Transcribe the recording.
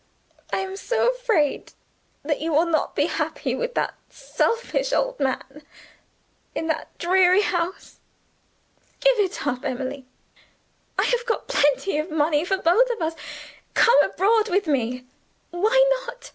I am so afraid that you will not be happy with that selfish old man in that dreary house. Give it up, Emily! I have got plenty of money for both of us; come abroad with me. Why not?